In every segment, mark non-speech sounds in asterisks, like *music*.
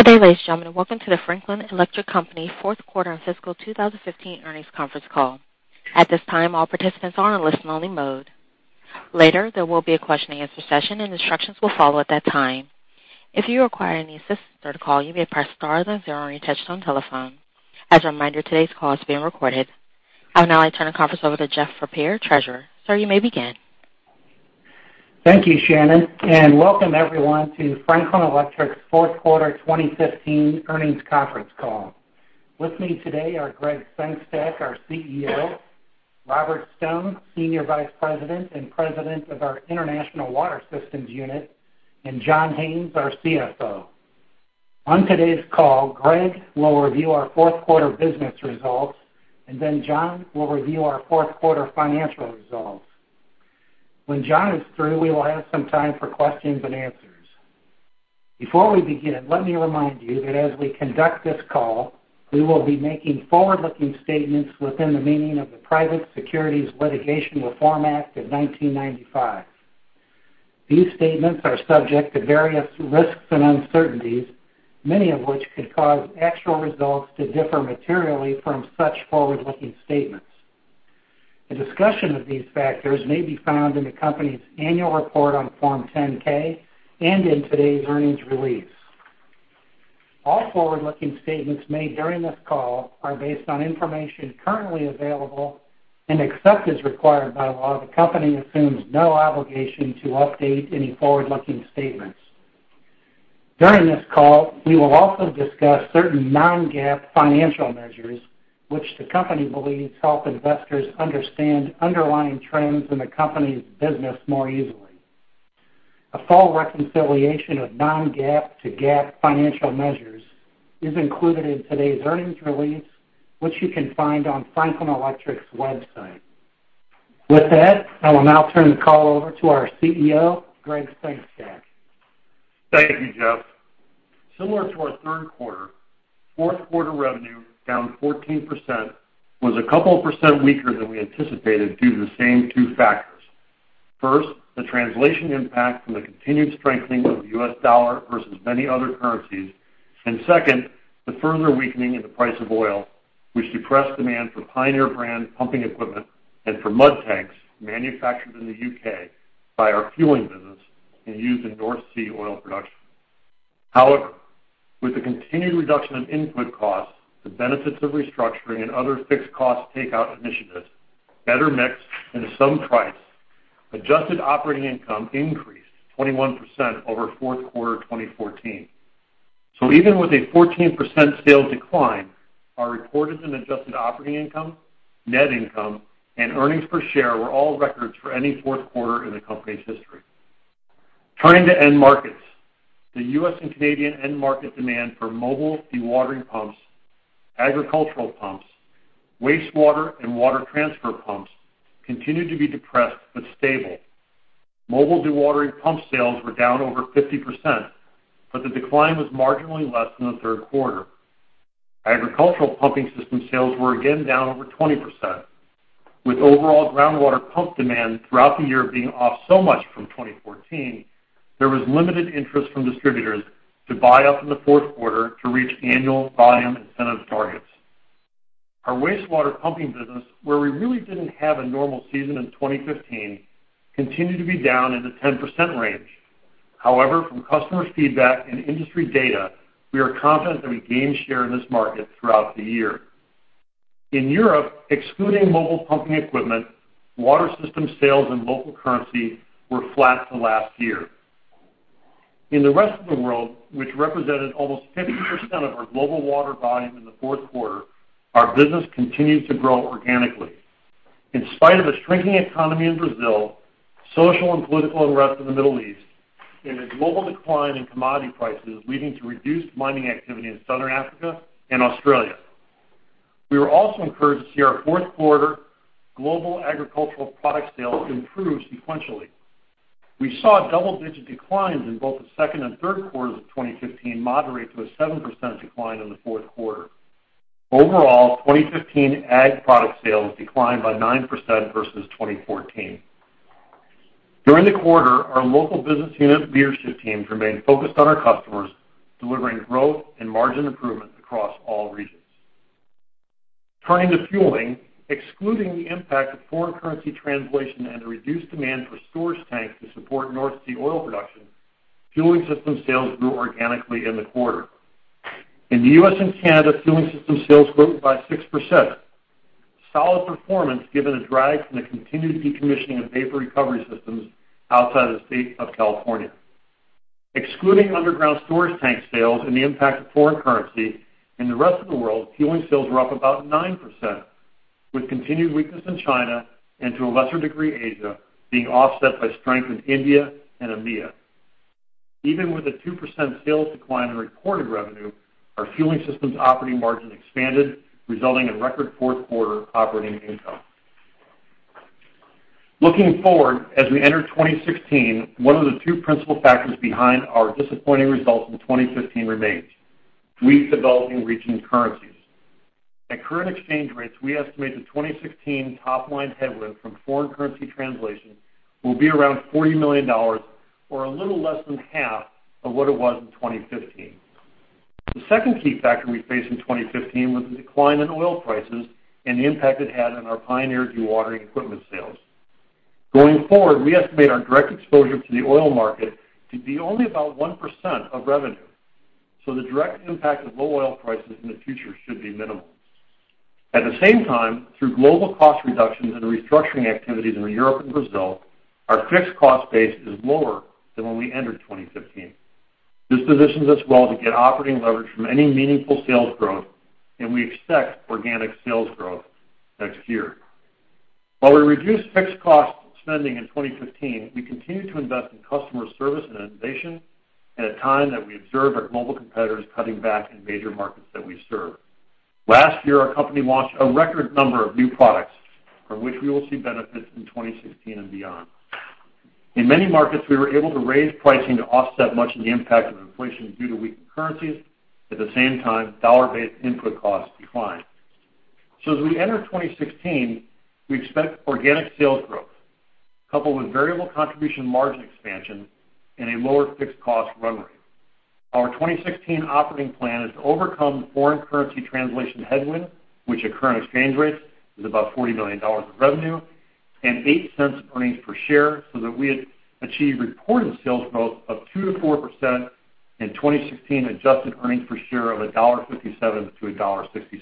Good day, ladies and gentlemen. Welcome to the Franklin Electric Company fourth quarter and fiscal 2015 earnings conference call. At this time, all participants are in listen-only mode. Later, there will be a question-and-answer session and instructions will follow at that time. If you require any assistance during the call, you may press star or the zero on your touch-tone telephone. As a reminder, today's call is being recorded. I will now turn the conference over to Jeff Ruzynski, Treasurer. Sir, you may begin. Thank you, Shannon. Welcome, everyone, to Franklin Electric's fourth quarter 2015 earnings conference call. With me today are Gregg Sengstack, our Chief Executive Officer, Robert Stone, Senior Vice President and President of our International Water Systems Unit, and John Haines, our Chief Financial Officer. On today's call, Gregg will review our fourth quarter business results, and then John will review our fourth quarter financial results. When John is through, we will have some time for questions and answers. Before we begin, let me remind you that as we conduct this call, we will be making forward-looking statements within the meaning of the Private Securities Litigation Reform Act of 1995. These statements are subject to various risks and uncertainties, many of which could cause actual results to differ materially from such forward-looking statements. A discussion of these factors may be found in the company's annual report on Form 10-K and in today's earnings release. All forward-looking statements made during this call are based on information currently available and except as required by law. The company assumes no obligation to update any forward-looking statements. During this call, we will also discuss certain non-GAAP financial measures, which the company believes help investors understand underlying trends in the company's business more easily. A full reconciliation of non-GAAP to GAAP financial measures is included in today's earnings release, which you can find on Franklin Electric's website. With that, I will now turn the call over to our Chief Executive Officer, Gregg Sengstack. Thank you, Jeff. Similar to our third quarter, fourth quarter revenue down 14% was a couple of percent weaker than we anticipated due to the same two factors. First, the translation impact from the continued strengthening of the U.S. dollar versus many other currencies. And second, the further weakening in the price of oil, which depressed demand for Pioneer brand pumping equipment and for mud tanks manufactured in the U.K. by our fueling business and used in North Sea oil production. However, with the continued reduction of input costs, the benefits of restructuring and other fixed cost takeout initiatives, better mix and some price, adjusted operating income increased 21% over fourth quarter 2014. So even with a 14% sales decline, our reported and adjusted operating income, net income, and earnings per share were all records for any fourth quarter in the company's history. Turning to end markets, the U.S. and Canadian end market demand for mobile dewatering pumps, agricultural pumps, wastewater, and water transfer pumps continued to be depressed but stable. Mobile dewatering pump sales were down over 50%, but the decline was marginally less than the third quarter. Agricultural pumping system sales were again down over 20%. With overall groundwater pump demand throughout the year being off so much from 2014, there was limited interest from distributors to buy up in the fourth quarter to reach annual volume incentives targets. Our wastewater pumping business, where we really didn't have a normal season in 2015, continued to be down in the 10% range. However, from customer feedback and industry data, we are confident that we gained share in this market throughout the year. In Europe, excluding mobile pumping equipment, water system sales in local currency were flat to last year. In the rest of the world, which represented almost 50% of our global water volume in the fourth quarter, our business continues to grow organically. In spite of a shrinking economy in Brazil, social and political unrest in the Middle East, and a global decline in commodity prices leading to reduced mining activity in Southern Africa and Australia, we were also encouraged to see our fourth quarter global agricultural product sales improve sequentially. We saw double-digit declines in both the second and third quarters of 2015 moderate to a 7% decline in the fourth quarter. Overall, 2015 ag product sales declined by 9% versus 2014. During the quarter, our local business unit leadership teams remained focused on our customers, delivering growth and margin improvement across all regions. Turning to fueling, excluding the impact of foreign currency translation and the reduced demand for storage tanks to support North Sea oil production, fueling system sales grew organically in the quarter. In the U.S. and Canada, fueling system sales grew by 6%, solid performance given a drag from the continued decommissioning of vapor recovery systems outside the state of California. Excluding underground storage tank sales and the impact of foreign currency, in the rest of the world, fueling sales were up about 9%, with continued weakness in China and, to a lesser degree, Asia being offset by strength in India and EMEA. Even with a 2% sales decline in reported revenue, our fueling systems operating margin expanded, resulting in record fourth quarter operating income. Looking forward, as we enter 2016, one of the two principal factors behind our disappointing results in 2015 remains: weak developing region currencies. At current exchange rates, we estimate the 2016 top-line headwind from foreign currency translation will be around $40 million, or a little less than half of what it was in 2015. The second key factor we faced in 2015 was the decline in oil prices and the impact it had on our Pioneer dewatering equipment sales. Going forward, we estimate our direct exposure to the oil market to be only about 1% of revenue. So the direct impact of low oil prices in the future should be minimal. At the same time, through global cost reductions and restructuring activities in Europe and Brazil, our fixed cost base is lower than when we entered 2015. This positions us well to get operating leverage from any meaningful sales growth, and we expect organic sales growth next year. While we reduce fixed cost spending in 2015, we continue to invest in customer service and innovation at a time that we observe our global competitors cutting back in major markets that we serve. Last year, our company launched a record number of new products, from which we will see benefits in 2016 and beyond. In many markets, we were able to raise pricing to offset much of the impact of inflation due to weakened currencies. At the same time, dollar-based input costs declined. So as we enter 2016, we expect organic sales growth coupled with variable contribution margin expansion and a lower fixed cost run rate. Our 2016 operating plan is to overcome foreign currency translation headwind, which at current exchange rates is about $40 million of revenue, and $0.08 of earnings per share so that we achieve reported sales growth of 2%-4% and 2016 adjusted earnings per share of $1.57-$1.67.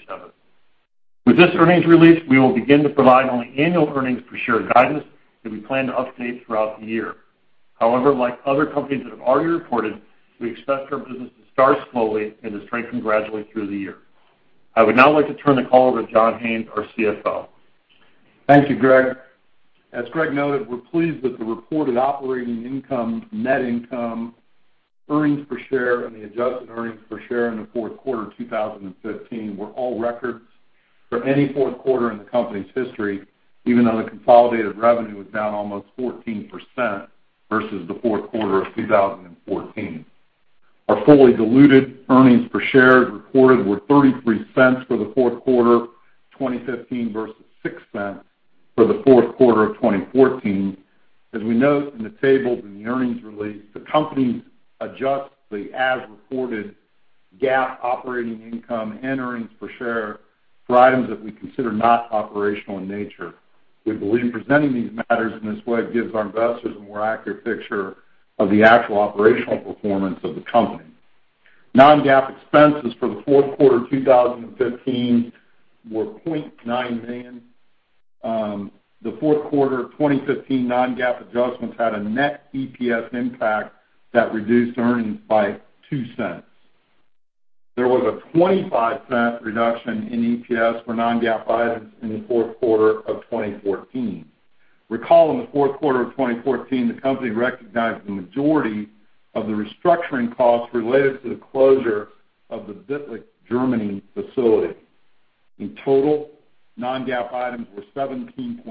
With this earnings release, we will begin to provide only annual earnings per share guidance that we plan to update throughout the year. However, like other companies that have already reported, we expect our business to start slowly and to strengthen gradually through the year. I would now like to turn the call over to John Haines, our CFO. Thank you, Gregg. As Gregg noted, we're pleased that the reported operating income, net income, earnings per share, and the adjusted earnings per share in the fourth quarter 2015 were all records for any fourth quarter in the company's history, even though the consolidated revenue was down almost 14% versus the fourth quarter of 2014. Our fully diluted earnings per share reported were $0.33 for the fourth quarter 2015 versus $0.06 for the fourth quarter of 2014. As we note in the tables and the earnings release, the companies adjust the as-reported GAAP operating income and earnings per share for items that we consider not operational in nature. We believe presenting these matters in this way gives our investors a more accurate picture of the actual operational performance of the company. Non-GAAP expenses for the fourth quarter 2015 were $0.9 million. The fourth quarter 2015 non-GAAP adjustments had a net EPS impact that reduced earnings by $0.02. There was a $0.25 reduction in EPS for non-GAAP items in the fourth quarter of 2014. Recall, in the fourth quarter of 2014, the company recognized the majority of the restructuring costs related to the closure of the Bietigheim, Germany, facility. In total, non-GAAP items were $17.6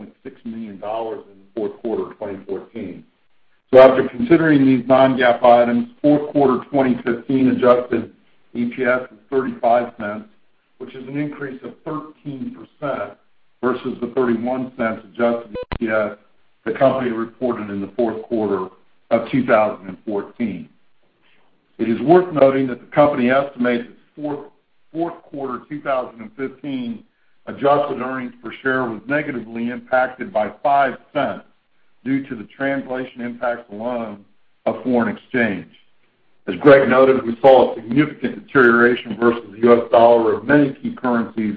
million in the fourth quarter of 2014. So after considering these non-GAAP items, fourth quarter 2015 adjusted EPS was $0.35, which is an increase of 13% versus the $0.31 adjusted EPS the company reported in the fourth quarter of 2014. It is worth noting that the company estimates its fourth quarter 2015 adjusted earnings per share was negatively impacted by $0.05 due to the translation impacts alone of foreign exchange. As Gregg noted, we saw a significant deterioration versus the US dollar of many key currencies,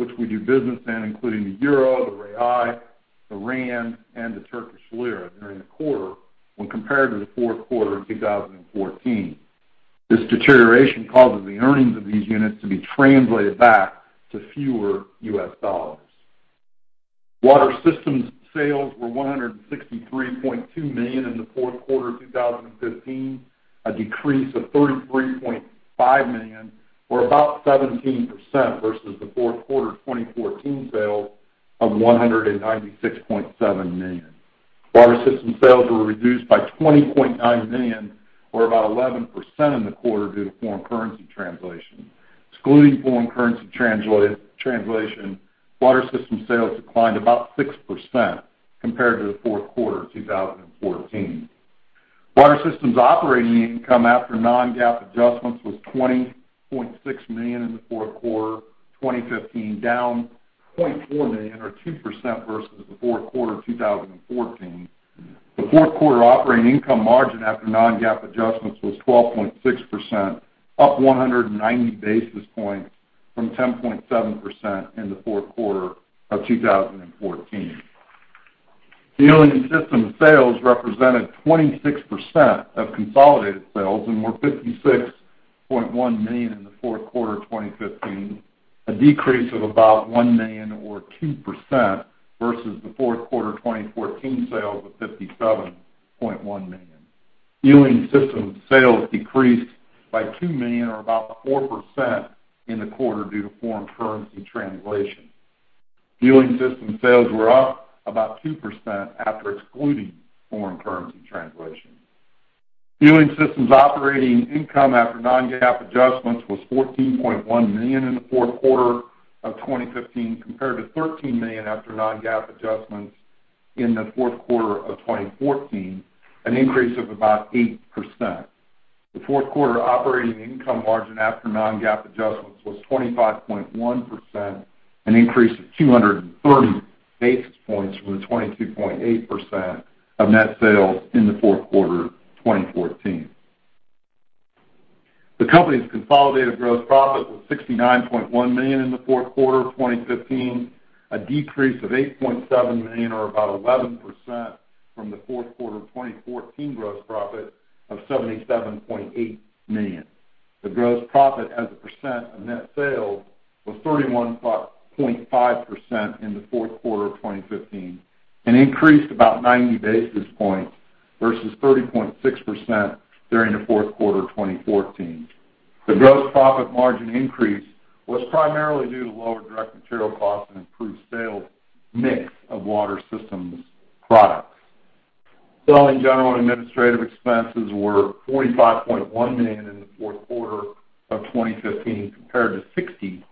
which we do business in, including the euro, the real, the rand, and the Turkish lira during the quarter when compared to the fourth quarter in 2014. This deterioration causes the earnings of these units to be translated back to fewer US dollars. Water Systems sales were $163.2 million in the fourth quarter of 2015, a decrease of $33.5 million or about 17% versus the fourth quarter 2014 sales of $196.7 million. Water Systems sales were reduced by $20.9 million or about 11% in the quarter due to foreign currency translation. Excluding foreign currency translation, Water Systems sales declined about 6% compared to the fourth quarter of 2014. Water Systems operating income after non-GAAP adjustments was $20.6 million in the fourth quarter 2015, down $0.4 million or 2% versus the fourth quarter of 2014. The fourth quarter operating income margin after non-GAAP adjustments was 12.6%, up 190 basis points from 10.7% in the fourth quarter of 2014. Fueling systems sales represented 26% of consolidated sales and were $56.1 million in the fourth quarter of 2015, a decrease of about $1 million or 2% versus the fourth quarter 2014 sales of $57.1 million. Fueling systems sales decreased by $2 million or about 4% in the quarter due to foreign currency translation. Fueling systems sales were up about 2% after excluding foreign currency translation. Fueling systems operating income after non-GAAP adjustments was $14.1 million in the fourth quarter of 2015 compared to $13 million after non-GAAP adjustments in the fourth quarter of 2014, an increase of about 8%. The fourth quarter operating income margin after non-GAAP adjustments was 25.1%, an increase of 230 basis points from the 22.8% of net sales in the fourth quarter 2014. The company's consolidated gross profit was $69.1 million in the fourth quarter of 2015, a decrease of $8.7 million or about 11% from the fourth quarter 2014 gross profit of $77.8 million. The gross profit as a percent of net sales was 31.5% in the fourth quarter of 2015, an increase about 90 basis points versus 30.6% during the fourth quarter of 2014. The gross profit margin increase was primarily due to lower direct material costs and improved sales mix of water systems products. Selling general and administrative expenses were $45.1 million in the fourth quarter of 2015 compared to $60.1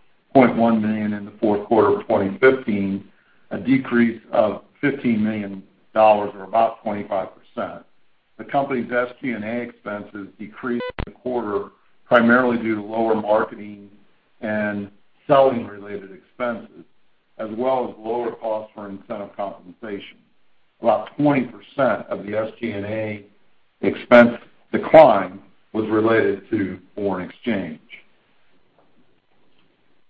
million in the fourth quarter of 2014, a decrease of $15 million or about 25%. The company's SG&A expenses decreased in the quarter primarily due to lower marketing and selling-related expenses, as well as lower costs for incentive compensation. About 20% of the SG&A expense decline was related to foreign exchange.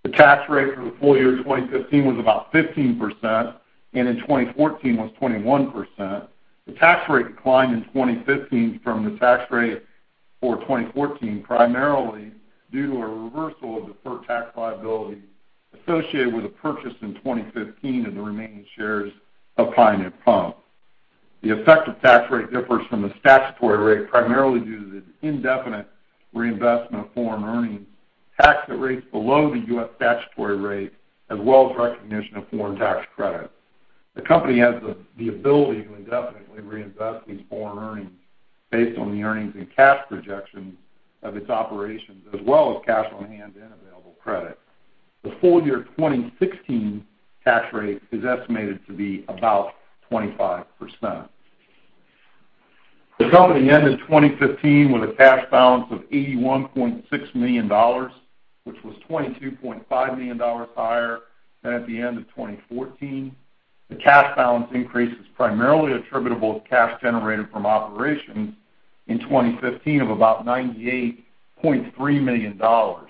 The tax rate for the full year 2015 was about 15%, and in 2014 was 21%. The tax rate declined in 2015 from the tax rate for 2014 primarily due to a reversal of deferred tax liability associated with a purchase in 2015 of the remaining shares of Pioneer Pump. The effective tax rate differs from the statutory rate primarily due to the indefinite reinvestment of foreign earnings, tax rates below the U.S. statutory rate, as well as recognition of foreign tax credit. The company has the ability to indefinitely reinvest these foreign earnings based on the earnings and cash projections of its operations, as well as cash on hand and available credit. The full year 2016 tax rate is estimated to be about 25%. The company ended 2015 with a cash balance of $81.6 million, which was $22.5 million higher than at the end of 2014. The cash balance increase is primarily attributable to cash generated from operations in 2015 of about $98.3 million, or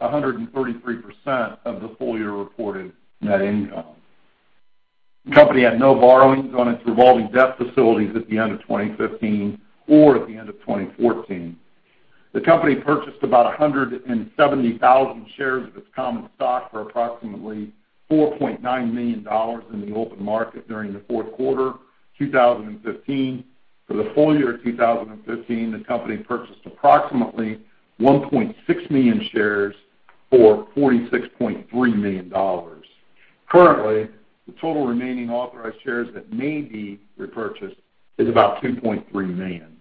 133% of the full year reported net income. The company had no borrowings on its revolving debt facilities at the end of 2015 or at the end of 2014. The company purchased about 170,000 shares of its common stock for approximately $4.9 million in the open market during the fourth quarter 2015. For the full year of 2015, the company purchased approximately 1.6 million shares for $46.3 million. Currently, the total remaining authorized shares that may be repurchased is about 2.3 million.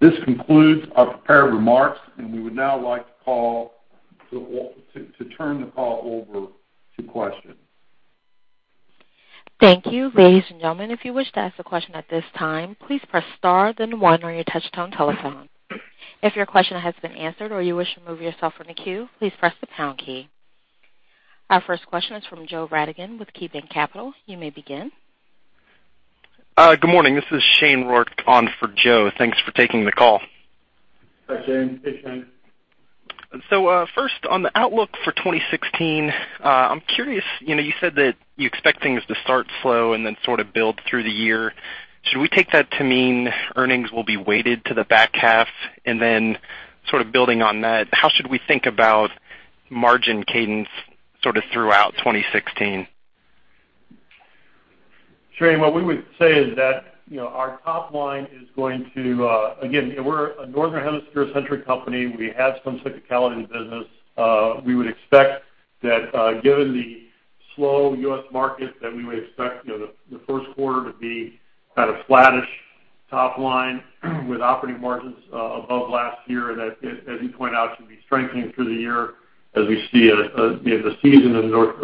This concludes our prepared remarks, and we would now like to turn the call over to questions. Thank you. Ladies and gentlemen, if you wish to ask a question at this time, please press star, then one, on your touch-tone telephone. If your question has been answered or you wish to move yourself from the queue, please press the pound key. Our first question is from Joe Radigan with KeyBanc Capital Markets. You may begin. Good morning. This is Shane Rao on for Joe. Thanks for taking the call. Hi, Shane. *crosstalk* Hey, Shane. So first, on the outlook for 2016, I'm curious. You said that you expect things to start slow and then sort of build through the year. Should we take that to mean earnings will be weighted to the back half, and then sort of building on that, how should we think about margin cadence sort of throughout 2016? Shane, what we would say is that our top line is going to again, we're a Northern Hemisphere centric company. We have some cyclicality in business. We would expect that, given the slow U.S. market, that we would expect the first quarter to be kind of flat-ish top line with operating margins above last year and that, as you point out, should be strengthening through the year as we see the season in North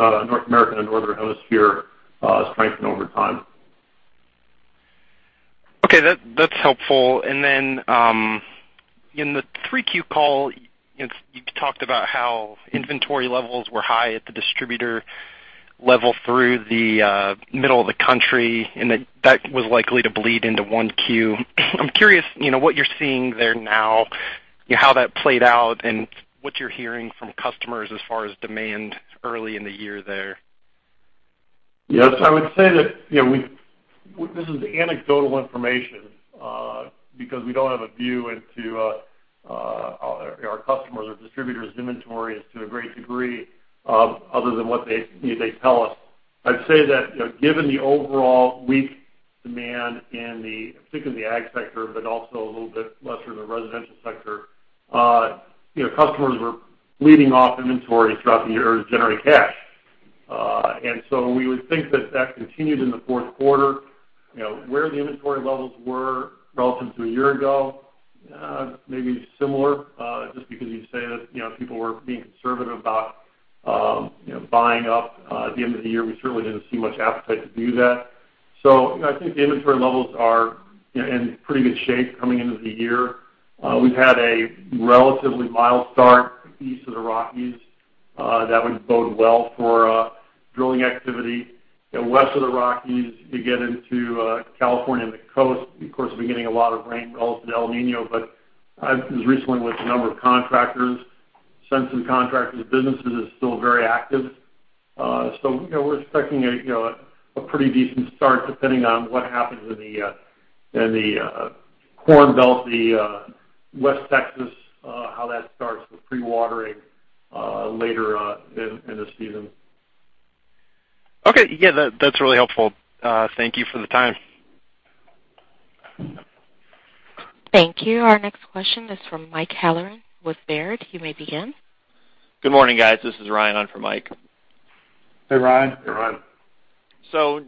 America and the Northern Hemisphere strengthen over time. Okay. That's helpful. Then in the 3Q call, you talked about how inventory levels were high at the distributor level through the middle of the country and that that was likely to bleed into 1Q. I'm curious what you're seeing there now, how that played out, and what you're hearing from customers as far as demand early in the year there. Yes. I would say that this is anecdotal information because we don't have a view into our customers' or distributors' inventory to a great degree other than what they tell us. I'd say that, given the overall weak demand in particular in the ag sector but also a little bit lesser in the residential sector, customers were bleeding off inventory throughout the year to generate cash. And so we would think that that continued in the fourth quarter. Where the inventory levels were relative to a year ago, maybe similar, just because you say that people were being conservative about buying up at the end of the year. We certainly didn't see much appetite to do that. So I think the inventory levels are in pretty good shape coming into the year. We've had a relatively mild start east of the Rockies that would bode well for drilling activity. West of the Rockies, you get into California and the coast. Of course, we're getting a lot of rain relative to El Niño, but I was recently with a number of contractors. Since the contractors, businesses are still very active. So we're expecting a pretty decent start depending on what happens in the Corn Belt, the West Texas, how that starts with pre-watering later in the season. Okay. Yeah. That's really helpful. Thank you for the time. Thank you. Our next question is from Mike Halloran with Baird. You may begin. Good morning, guys. This is Ryan. I'm from Mike. Hey, Ryan. Hey, Ryan.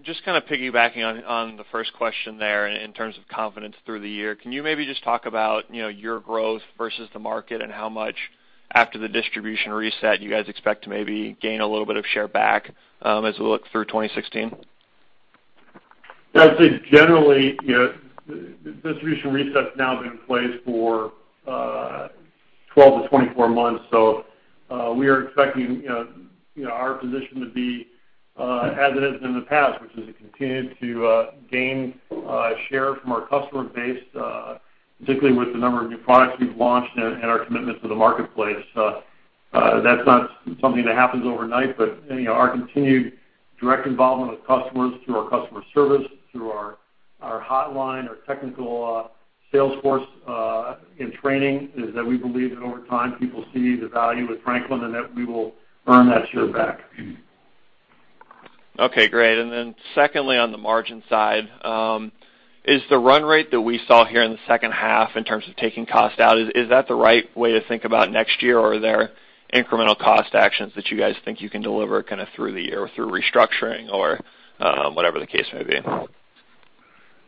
Just kind of piggybacking on the first question there in terms of confidence through the year, can you maybe just talk about your growth versus the market and how much, after the distribution reset, you guys expect to maybe gain a little bit of share back as we look through 2016? Yeah. I'd say, generally, the distribution reset's now been in place for 12-24 months. So we are expecting our position to be as it has been in the past, which is to continue to gain share from our customer base, particularly with the number of new products we've launched and our commitments to the marketplace. That's not something that happens overnight, but our continued direct involvement with customers through our customer service, through our hotline, our technical sales force, and training is that we believe that, over time, people see the value with Franklin and that we will earn that share back. Okay. Great. And then secondly, on the margin side, is the run rate that we saw here in the second half in terms of taking cost out, is that the right way to think about next year, or are there incremental cost actions that you guys think you can deliver kind of through the year or through restructuring or whatever the case may be?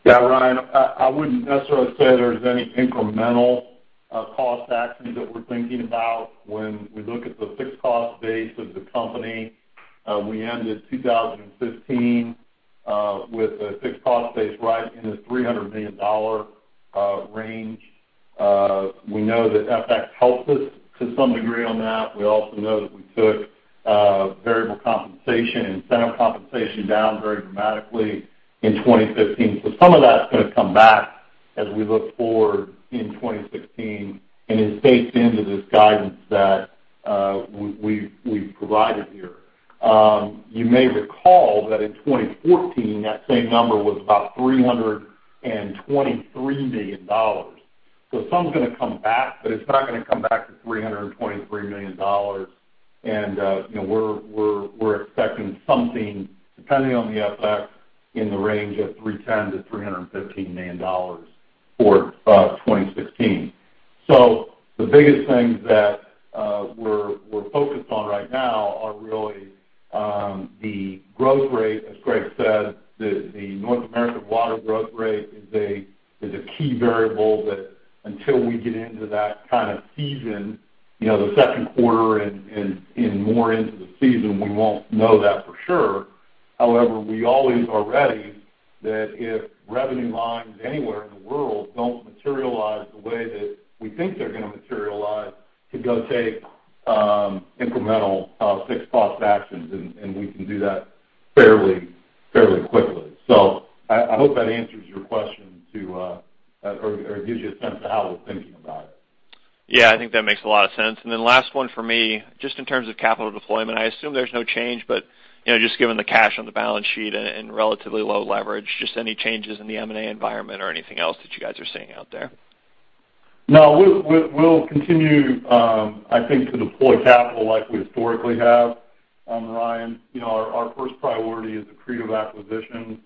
Yeah, Ryan. I wouldn't necessarily say there's any incremental cost actions that we're thinking about. When we look at the fixed cost base of the company, we ended 2015 with a fixed cost base right in the $300 million range. We know that FX helped us to some degree on that. We also know that we took variable compensation and incentive compensation down very dramatically in 2015. So some of that's going to come back as we look forward in 2016 and is baked into this guidance that we've provided here. You may recall that, in 2014, that same number was about $323 million. So some's going to come back, but it's not going to come back to $323 million. And we're expecting something, depending on the FX, in the range of $310-$315 million for 2016. The biggest things that we're focused on right now are really the growth rate. As Gregg said, the North American water growth rate is a key variable that, until we get into that kind of season, the second quarter and more into the season, we won't know that for sure. However, we always are ready that, if revenue lines anywhere in the world don't materialize the way that we think they're going to materialize, to go take incremental fixed cost actions. We can do that fairly quickly. I hope that answers your question or gives you a sense of how we're thinking about it. Yeah. I think that makes a lot of sense. And then last one for me, just in terms of capital deployment, I assume there's no change, but just given the cash on the balance sheet and relatively low leverage, just any changes in the M&A environment or anything else that you guys are seeing out there? No. We'll continue, I think, to deploy capital like we historically have, Ryan. Our first priority is the strategic acquisition,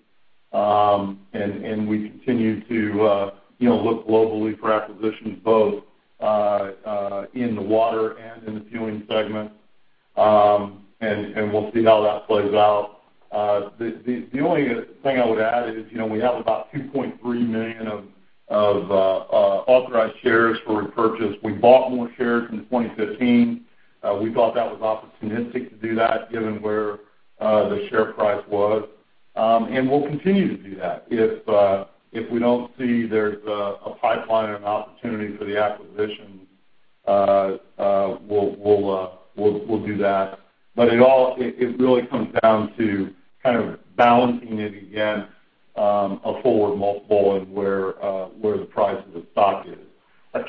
and we continue to look globally for acquisitions, both in the water and in the fueling segment. We'll see how that plays out. The only thing I would add is we have about 2.3 million of authorized shares for repurchase. We bought more shares in 2015. We thought that was opportunistic to do that, given where the share price was. We'll continue to do that. If we don't see there's a pipeline and an opportunity for the acquisition, we'll do that. But it really comes down to kind of balancing it against a forward multiple and where the price of the stock is.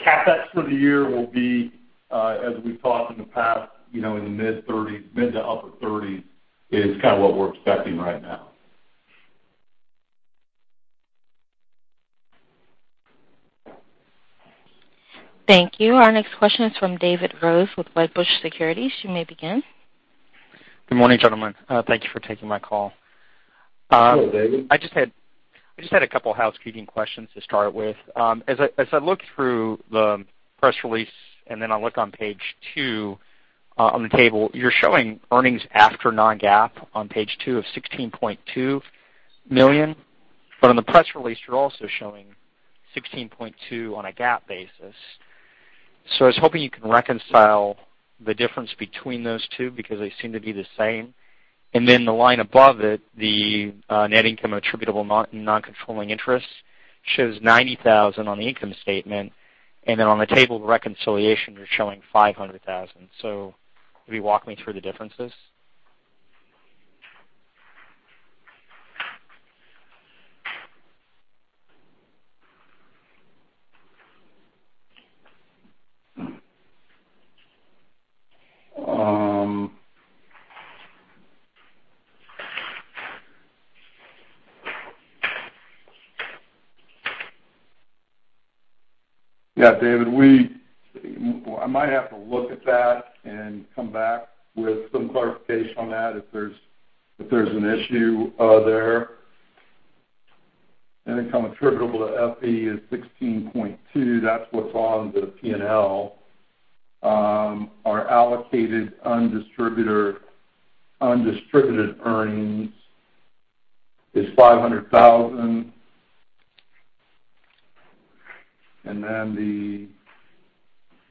CapEx for the year will be, as we've talked in the past, in the mid-30s. Mid- to upper-30s is kind of what we're expecting right now. Thank you. Our next question is from David Rose with Wedbush Securities. You may begin. Good morning, gentlemen. Thank you for taking my call. Sure, David. I just had a couple of housekeeping questions to start with. As I look through the press release and then I look on page two on the table, you're showing earnings after non-GAAP on page two of $16.2 million. But on the press release, you're also showing $16.2 million on a GAAP basis. So I was hoping you can reconcile the difference between those two because they seem to be the same. And then the line above it, the net income attributable non-controlling interest, shows $90,000 on the income statement. And then on the table, the reconciliation, you're showing $500,000. So could you walk me through the differences? Yeah, David. I might have to look at that and come back with some clarification on that if there's an issue there. Income attributable to FE is $16.2. That's what's on the P&L. Our allocated undistributed earnings is $500,000. And then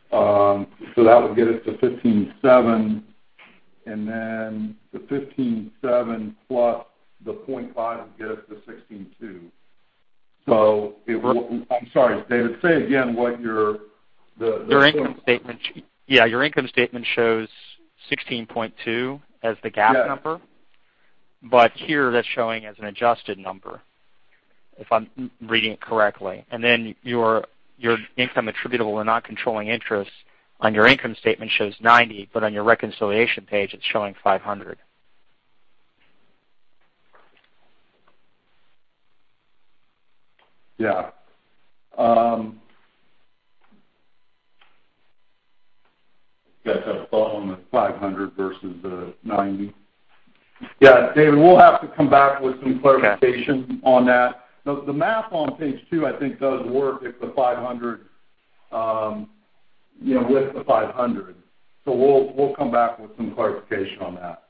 so that would get us to $15.7. And then the $15.7 plus the $0.5 would get us to $16.2. So I'm sorry. David, say again what your. Yeah. Your income statement shows $16.2 as the GAAP number. But here, that's showing as an adjusted number, if I'm reading it correctly. And then your income attributable and non-controlling interest on your income statement shows $90, but on your reconciliation page, it's showing $500. Yeah. Gotcha. A bump on the 500 versus the 90. Yeah. David, we'll have to come back with some clarification on that. The math on page 2, I think, does work with the 500. So we'll come back with some clarification on that.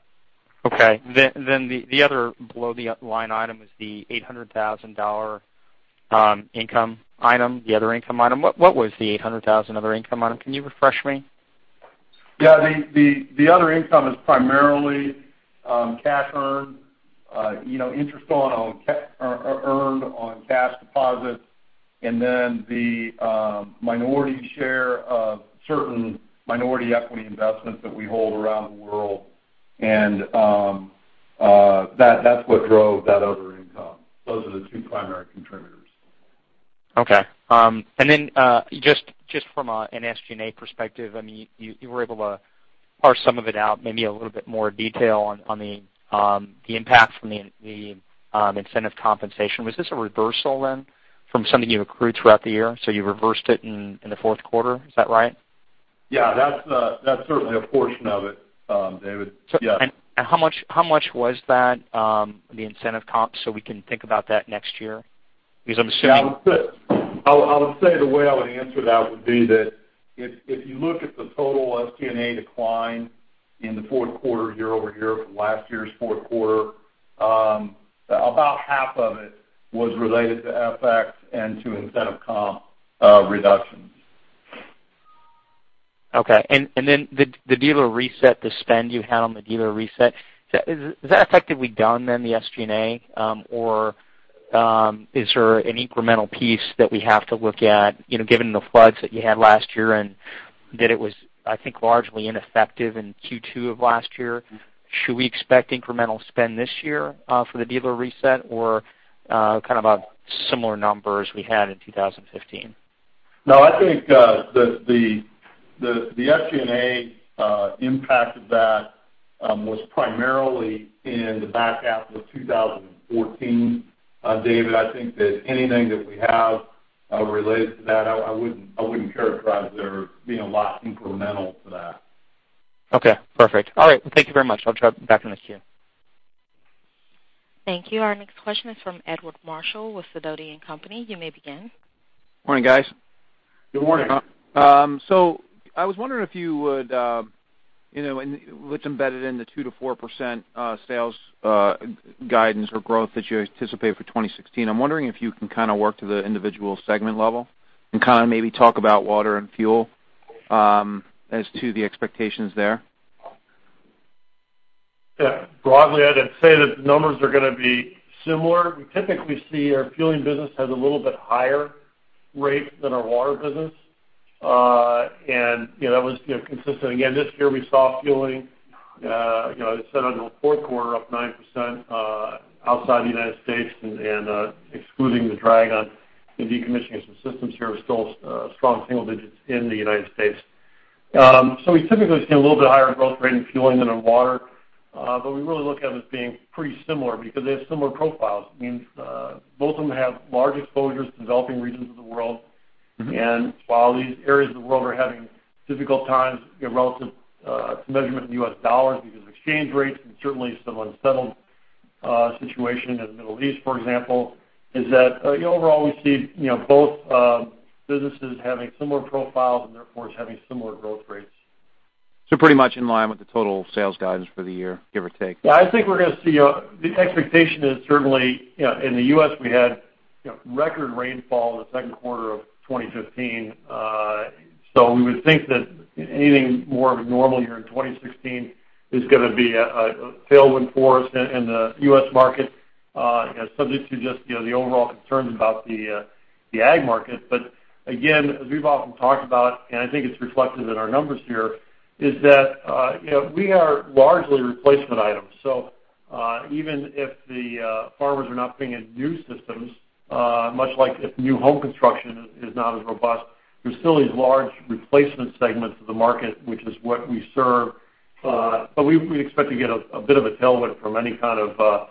Okay. Then the other below-the-line item is the $800,000 income item, the other income item. What was the $800,000 other income item? Can you refresh me? Yeah. The other income is primarily cash earned, interest earned on cash deposits, and then the minority share of certain minority equity investments that we hold around the world. And that's what drove that other income. Those are the two primary contributors. Okay. And then just from an SG&A perspective, I mean, you were able to parse some of it out, maybe a little bit more detail on the impact from the incentive compensation. Was this a reversal then from something you accrued throughout the year? So you reversed it in the fourth quarter. Is that right? Yeah. That's certainly a portion of it, David. Yes. How much was that, the incentive comp, so we can think about that next year? Because I'm assuming. Yeah. I would say the way I would answer that would be that, if you look at the total SG&A decline in the fourth quarter, year-over-year, from last year's fourth quarter, about half of it was related to FX and to incentive comp reductions. Okay. And then the dealer reset, the spend you had on the dealer reset, is that effectively done then, the SG&A? Or is there an incremental piece that we have to look at, given the floods that you had last year and that it was, I think, largely ineffective in Q2 of last year? Should we expect incremental spend this year for the dealer reset or kind of a similar number as we had in 2015? No. I think the SG&A impact of that was primarily in the back half of 2014. David, I think that anything that we have related to that, I wouldn't characterize there being a lot incremental to that. Okay. Perfect. All right. Well, thank you very much. I'll jump back on the queue. Thank you. Our next question is from Edward Marshall with Sidoti & Company. You may begin. Morning, guys. Good morning. So I was wondering if you would, and it's embedded in the 2%-4% sales guidance or growth that you anticipate for 2016. I'm wondering if you can kind of work to the individual segment level and kind of maybe talk about water and fuel as to the expectations there. Yeah. Broadly, I'd say that the numbers are going to be similar. Typically, we see our fueling business has a little bit higher rate than our water business. And that was consistent. Again, this year, we saw fueling, as I said, on the fourth quarter, up 9% outside the United States. And excluding the drag on the decommissioning of some systems here, it was still strong single digits in the United States. So we typically see a little bit higher growth rate in fueling than in water. But we really look at them as being pretty similar because they have similar profiles. I mean, both of them have large exposures in developing regions of the world. While these areas of the world are having difficult times relative to measurement in U.S. dollars because of exchange rates and certainly some unsettled situation in the Middle East, for example, is that, overall, we see both businesses having similar profiles and, therefore, having similar growth rates. Pretty much in line with the total sales guidance for the year, give or take? Yeah. I think we're going to see the expectation is, certainly, in the U.S., we had record rainfall in the second quarter of 2015. So we would think that anything more of a normal year in 2016 is going to be a tailwind for us in the U.S. market, subject to just the overall concerns about the ag market. But again, as we've often talked about, and I think it's reflected in our numbers here, is that we are largely replacement items. So even if the farmers are not putting in new systems, much like if new home construction is not as robust, there's still these large replacement segments of the market, which is what we serve. But we expect to get a bit of a tailwind from any kind of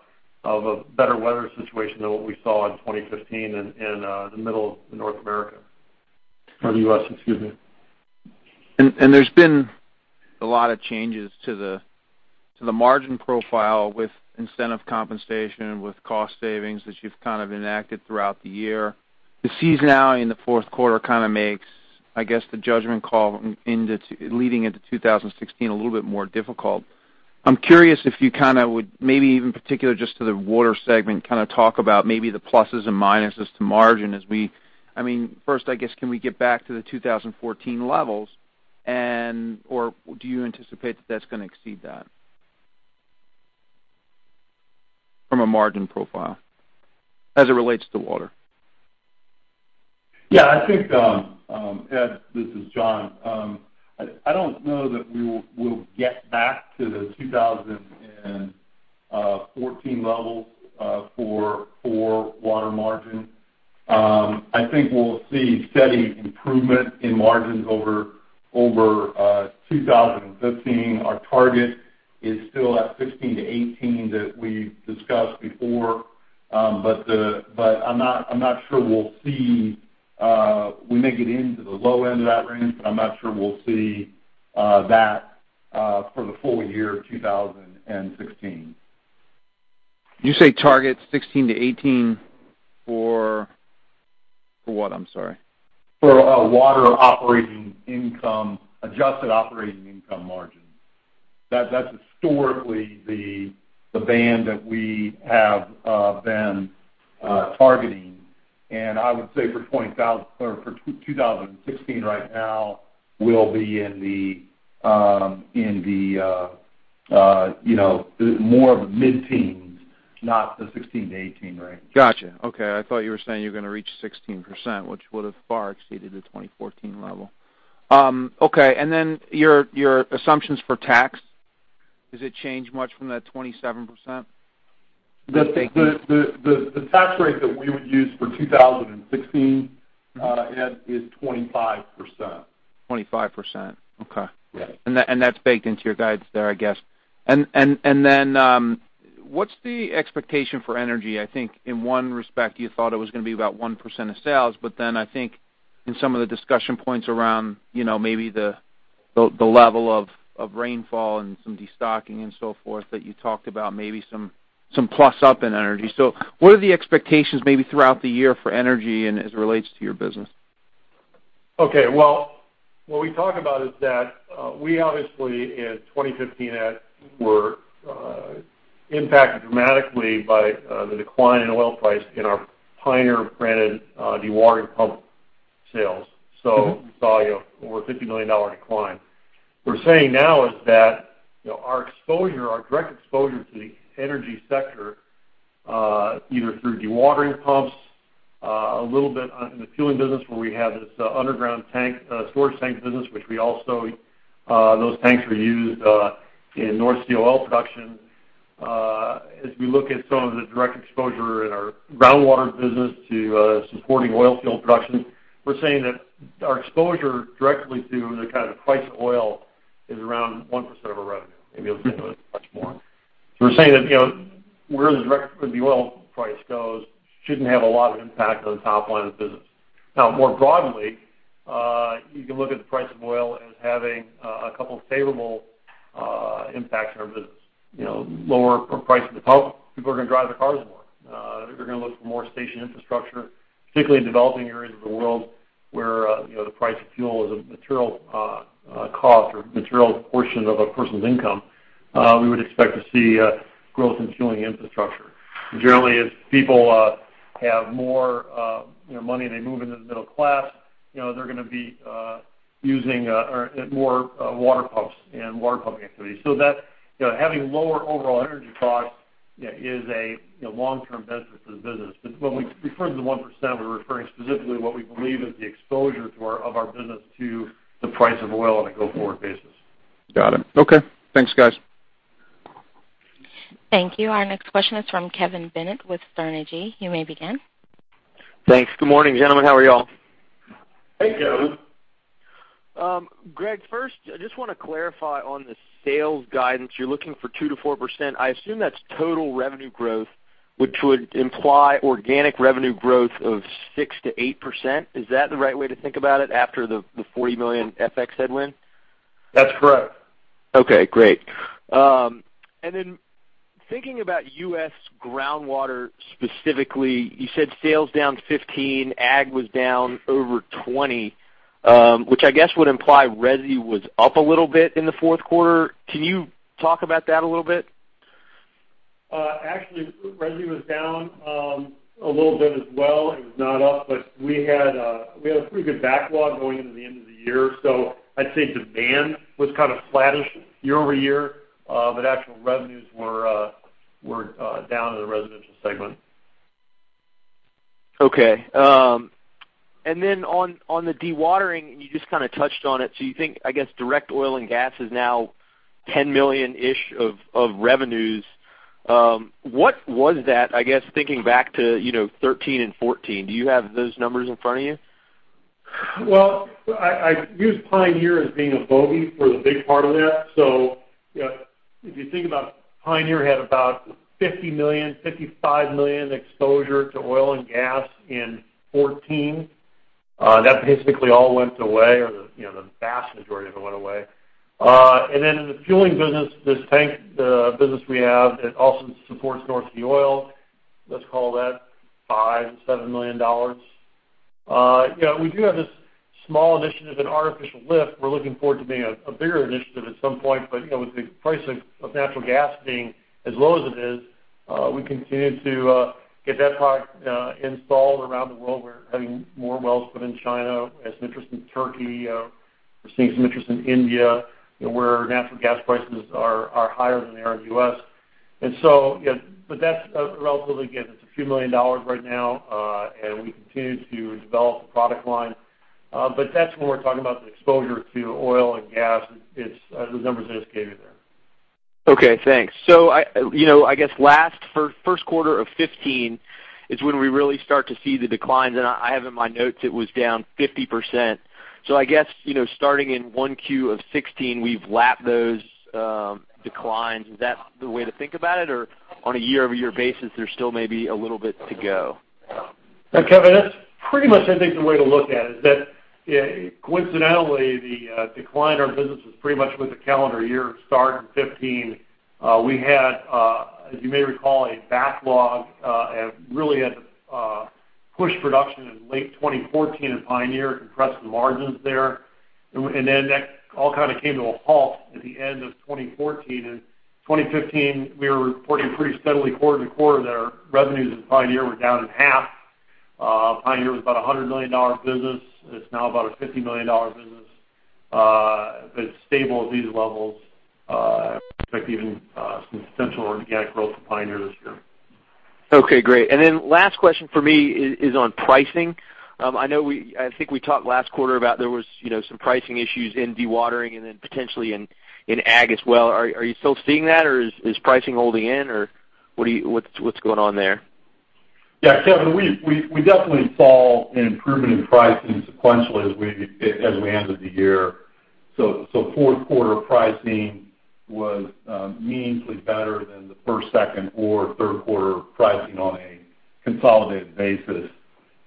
a better weather situation than what we saw in 2015 in the middle of North America or the U.S., excuse me. There's been a lot of changes to the margin profile with incentive compensation, with cost savings that you've kind of enacted throughout the year. The seasonality in the fourth quarter kind of makes, I guess, the judgment call leading into 2016 a little bit more difficult. I'm curious if you kind of would, maybe even particularly just to the water segment, kind of talk about maybe the pluses and minuses to margin as we I mean, first, I guess, can we get back to the 2014 levels? Or do you anticipate that that's going to exceed that from a margin profile as it relates to water? Yeah. Ed, this is John. I don't know that we will get back to the 2014 levels for water margin. I think we'll see steady improvement in margins over 2015. Our target is still at 16%-18% that we discussed before. But I'm not sure we'll see. We may get into the low end of that range, but I'm not sure we'll see that for the full year of 2016. You say target 16-18 for what? I'm sorry. For water operating income, adjusted operating income margin. That's historically the band that we have been targeting. I would say, for 2016 right now, we'll be in the more of the mid-teens, not the 16%-18% range. Gotcha. Okay. I thought you were saying you were going to reach 16%, which would have far exceeded the 2014 level. Okay. And then your assumptions for tax, does it change much from that 27%? The tax rate that we would use for 2016, Ed, is 25%. 25%. Okay. And that's baked into your guides there, I guess. And then what's the expectation for energy? I think, in one respect, you thought it was going to be about 1% of sales. But then I think, in some of the discussion points around maybe the level of rainfall and some destocking and so forth that you talked about, maybe some plus-up in energy. So what are the expectations maybe throughout the year for energy as it relates to your business? Okay. Well, what we talk about is that we, obviously, in 2015, Ed, were impacted dramatically by the decline in oil price in our Pioneer-branded dewatering pump sales. So we saw over a $50 million decline. What we're saying now is that our exposure, our direct exposure to the energy sector, either through dewatering pumps, a little bit in the fueling business where we have this underground storage tank business, which we also those tanks are used in North Sea oil production. As we look at some of the direct exposure in our groundwater business to supporting oil field production, we're saying that our exposure directly to the kind of the price of oil is around 1% of our revenue. Maybe it'll say it was much more. So we're saying that where the oil price goes shouldn't have a lot of impact on the top line of business. Now, more broadly, you can look at the price of oil as having a couple of favorable impacts on our business. Lower price of the pump, people are going to drive their cars more. They're going to look for more station infrastructure, particularly in developing areas of the world where the price of fuel is a material cost or material portion of a person's income. We would expect to see growth in fueling infrastructure. Generally, as people have more money and they move into the middle class, they're going to be using more water pumps and water pumping activities. So having lower overall energy costs is a long-term benefit to the business. But when we refer to the 1%, we're referring specifically to what we believe is the exposure of our business to the price of oil on a go-forward basis. Got it. Okay. Thanks, guys. Thank you. Our next question is from Kevin Bennett with Sterne Agee. You may begin. Thanks. Good morning, gentlemen. How are y'all? Hey, Kevin. Gregg, first, I just want to clarify on the sales guidance. You're looking for 2%-4%. I assume that's total revenue growth, which would imply organic revenue growth of 6%-8%. Is that the right way to think about it after the $40 million FX headwind? That's correct. Okay. Great. And then thinking about U.S. groundwater specifically, you said sales down 15, ag was down over 20, which I guess would imply residential was up a little bit in the fourth quarter. Can you talk about that a little bit? Actually, residential was down a little bit as well. It was not up. But we had a pretty good backlog going into the end of the year. So I'd say demand was kind of flattish year-over-year. But actual revenues were down in the residential segment. Okay. And then on the dewatering, and you just kind of touched on it, so you think, I guess, direct oil and gas is now $10 million-ish of revenues. What was that, I guess, thinking back to 2013 and 2014? Do you have those numbers in front of you? Well, I use Pioneer as being a bogey for a big part of that. So if you think about Pioneer had about $50 million-$55 million exposure to oil and gas in 2014. That basically all went away, or the vast majority of it went away. And then in the fueling business, this tank business we have, it also supports North Sea Oil, let's call that, $5 million-$7 million. We do have this small initiative, an artificial lift. We're looking forward to being a bigger initiative at some point. But with the price of natural gas being as low as it is, we continue to get that product installed around the world. We're having more wells put in China. We have some interest in Turkey. We're seeing some interest in India, where natural gas prices are higher than they are in the US. But again, it's a few million dollars right now. And we continue to develop the product line. But that's when we're talking about the exposure to oil and gas. It's the numbers I just gave you there. Okay. Thanks. So I guess, first quarter of 2015 is when we really start to see the declines. And I have in my notes it was down 50%. So I guess, starting in 1Q of 2016, we've lapped those declines. Is that the way to think about it? Or on a year-over-year basis, there's still maybe a little bit to go? Yeah. Kevin, that's pretty much, I think, the way to look at it, is that, coincidentally, the decline in our business was pretty much with the calendar year start in 2015. We had, as you may recall, a backlog and really had to push production in late 2014 at Pioneer, compress the margins there. Then that all kind of came to a halt at the end of 2014. 2015, we were reporting pretty steadily quarter to quarter that our revenues at Pioneer were down in half. Pioneer was about a $100 million business. It's now about a $50 million business. It's stable at these levels. I expect even some potential organic growth for Pioneer this year. Okay. Great. And then last question for me is on pricing. I think we talked last quarter about there was some pricing issues in dewatering and then potentially in ag as well. Are you still seeing that? Or is pricing holding in? Or what's going on there? Yeah. Kevin, we definitely saw an improvement in pricing sequentially as we ended the year. So fourth quarter pricing was meaningfully better than the first, second, or third quarter pricing on a consolidated basis.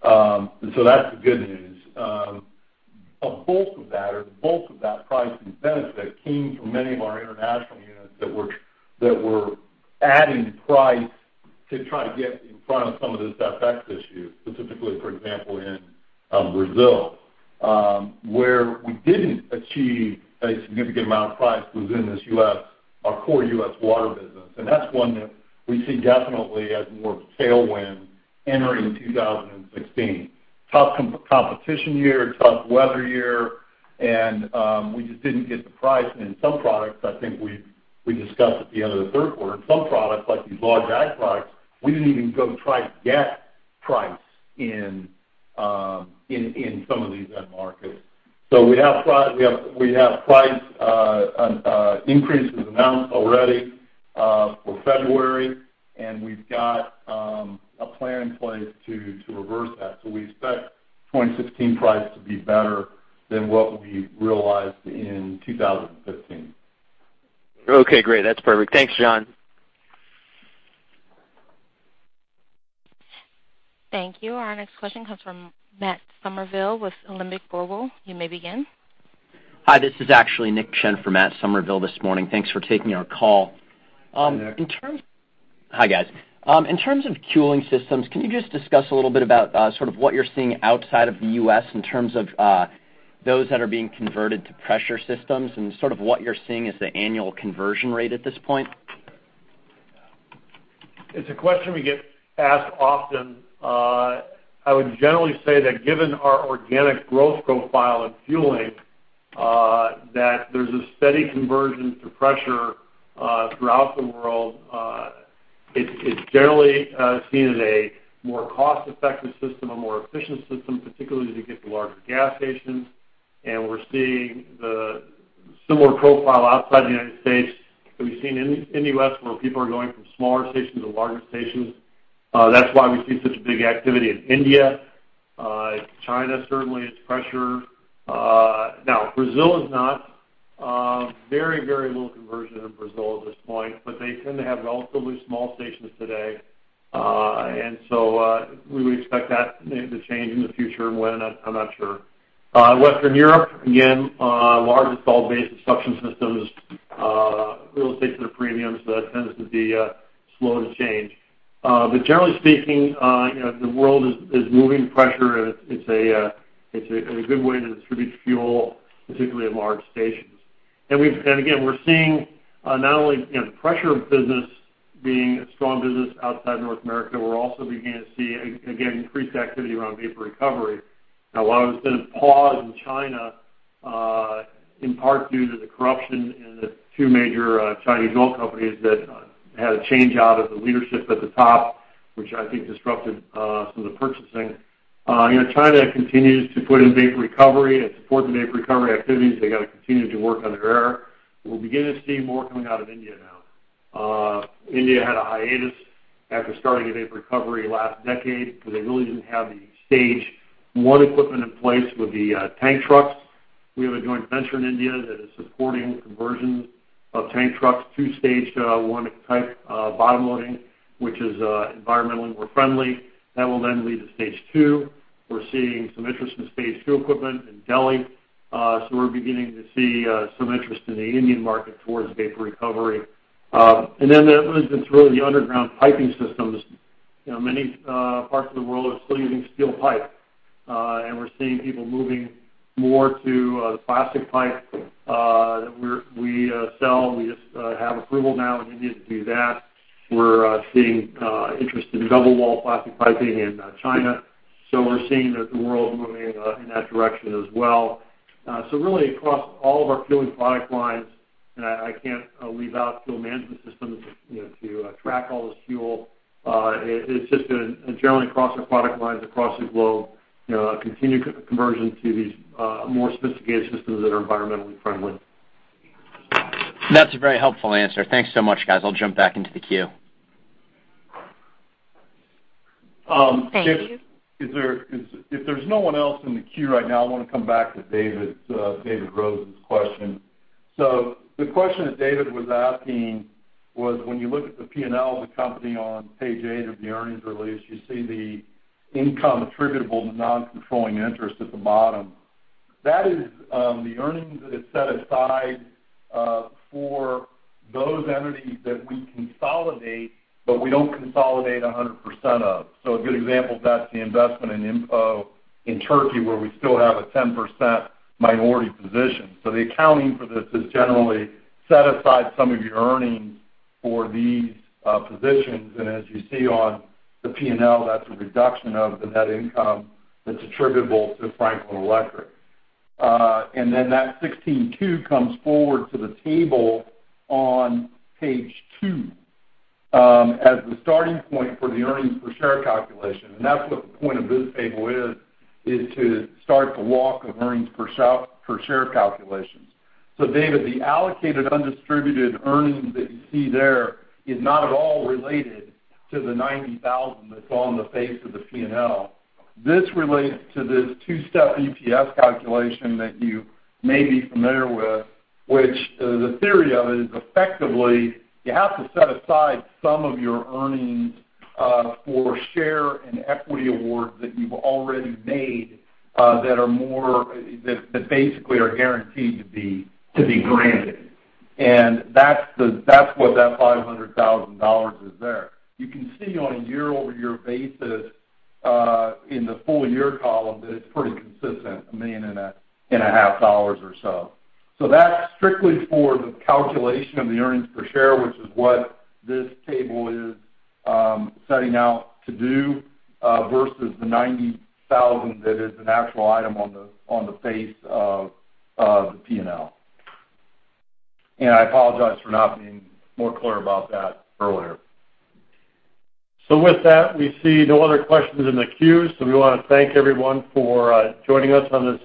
So that's the good news. A bulk of that or the bulk of that pricing benefit came from many of our international units that were adding price to try to get in front of some of this FX issue, specifically, for example, in Brazil, where we didn't achieve a significant amount of price within this U.S., our core U.S. water business. And that's one that we see definitely as more of a tailwind entering 2016. Tough competition year, tough weather year. And we just didn't get the price. In some products, I think we discussed at the end of the third quarter, in some products, like these large ag products, we didn't even go try to get price in some of these end markets. We have price increases announced already for February. We've got a plan in place to reverse that. We expect 2016 price to be better than what we realized in 2015. Okay. Great. That's perfect. Thanks, John. Thank you. Our next question comes from Matt Somerville with Alembic Global Advisors.You may begin. Hi. This is actually Nick Chen from Matt Somerville this morning. Thanks for taking our call. Hi, Nick. Hi, guys. In terms of cooling systems, can you just discuss a little bit about sort of what you're seeing outside of the U.S. in terms of those that are being converted to pressure systems and sort of what you're seeing as the annual conversion rate at this point? It's a question we get asked often. I would generally say that, given our organic growth profile in fueling, that there's a steady conversion to pressure throughout the world. It's generally seen as a more cost-effective system, a more efficient system, particularly as you get to larger gas stations. And we're seeing the similar profile outside the United States. But we've seen in the U.S. where people are going from smaller stations to larger stations. That's why we see such big activity in India. China, certainly, is pressure. Now, Brazil is not. Very, very little conversion in Brazil at this point. But they tend to have relatively small stations today. And so we would expect that to change in the future. And when, I'm not sure. Western Europe, again, largest all-basis suction systems, real estate to the premium. So that tends to be slow to change. But generally speaking, the world is moving pressure. It's a good way to distribute fuel, particularly at large stations. Again, we're seeing not only the pressure business being a strong business outside North America, we're also beginning to see, again, increased activity around vapor recovery. Now, while it was going to pause in China, in part due to the corruption in the two major Chinese oil companies that had a change-out of the leadership at the top, which I think disrupted some of the purchasing, China continues to put in vapor recovery and support the vapor recovery activities. They've got to continue to work on their air. We're beginning to see more coming out of India now. India had a hiatus after starting a vapor recovery last decade because they really didn't have the stage one equipment in place with the tank trucks. We have a joint venture in India that is supporting conversions of tank trucks to stage one type bottom-loading, which is environmentally more friendly. That will then lead to stage two. We're seeing some interest in stage two equipment in Delhi. So we're beginning to see some interest in the Indian market towards vapor recovery. And then that moves into really the underground piping systems. Many parts of the world are still using steel pipe. And we're seeing people moving more to the plastic pipe that we sell. We just have approval now in India to do that. We're seeing interest in double-wall plastic piping in China. So we're seeing the world moving in that direction as well. So really, across all of our fueling product lines - and I can't leave out fuel management systems to track all this fuel - it's just been, generally, across our product lines, across the globe, a continued conversion to these more sophisticated systems that are environmentally friendly. That's a very helpful answer. Thanks so much, guys. I'll jump back into the Q. Thank you. *crosstalk* Thank you. If there's no one else in the Q right now, I want to come back to David Rose's question. The question that David was asking was, when you look at the P&L of the company on page 8 of the earnings release, you see the income attributable to non-controlling interest at the bottom. That is the earnings that is set aside for those entities that we consolidate but we don't consolidate 100% of. A good example of that's the investment in Impo in Turkey, where we still have a 10% minority position. The accounting for this is, generally, set aside some of your earnings for these positions. As you see on the P&L, that's a reduction of the net income that's attributable to Franklin Electric. And then that 16.2 comes forward to the table on page 2 as the starting point for the earnings per share calculation. And that's what the point of this table is, is to start the walk of earnings per share calculations. So David, the allocated undistributed earnings that you see there is not at all related to the 90,000 that's on the face of the P&L. This relates to this two-step EPS calculation that you may be familiar with, which the theory of it is, effectively, you have to set aside some of your earnings for share and equity awards that you've already made that basically are guaranteed to be granted. And that's what that $500,000 is there. You can see, on a year-over-year basis, in the full-year column, that it's pretty consistent, $1.5 million or so. That's strictly for the calculation of the earnings per share, which is what this table is setting out to do, versus the 90,000 that is the natural item on the face of the P&L. I apologize for not being more clear about that earlier. With that, we see no other questions in the Q. We want to thank everyone for joining us on this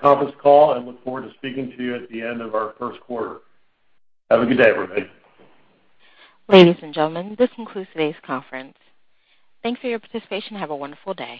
conference call. Look forward to speaking to you at the end of our first quarter. Have a good day, everybody. Ladies and gentlemen, this concludes today's conference. Thanks for your participation. Have a wonderful day.